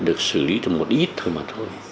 được xử lý được một ít thôi mà thôi